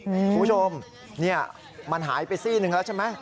คุณผู้ชมนี่มันหายไปซี่หนึ่งแล้วใช่ไหม